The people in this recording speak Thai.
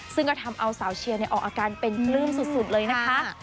ซึ่งก็ทำเอาสาวเชียร์ออกอาการเป็นปลื้มสุดเลยนะคะ